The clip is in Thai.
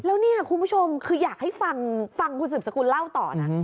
แล้วเนี่ยคุณผู้ชมคืออยากให้ฟังฟังคุณสืบสกุลเล่าต่อนะ